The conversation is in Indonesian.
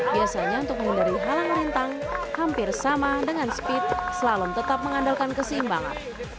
biasanya untuk menghindari halang rintang hampir sama dengan speed slalom tetap mengandalkan keseimbangan